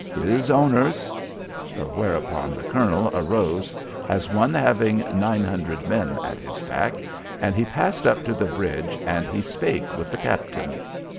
His owners Whereupon the colonel arose as one having nine hundred men at his back, and he passed up to the bridge and he spake with the captain.